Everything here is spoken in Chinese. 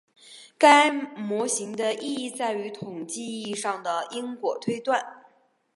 该模型的意义在于统计意义上的因果推断。